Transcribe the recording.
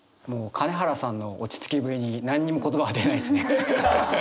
もう金原さんの落ち着きぶりに何にも言葉が出ないですね。